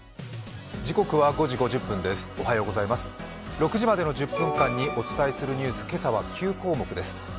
６時までの１０分間にお伝えするニュース、今朝は９項目です。